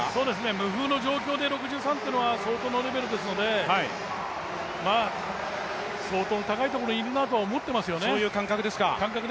無風の状況で６３というのは相当のレベルですので相当高いところにいるなとは思ってますよね。